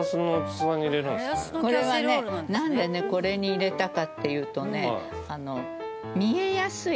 これはねなんでねこれに入れたかっていうとね見えやすい。